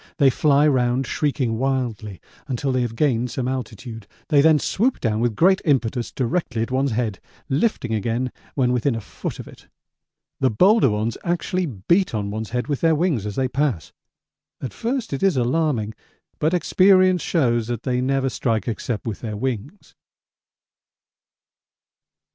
They fly round shrieking wildly until they have gained some altitude. They then swoop down with great impetus directly at one's head, lifting again when within a foot of it. The bolder ones actually beat on one's head with their wings as they pass. At first it is alarming, but experience shows that they never strike except with their wings.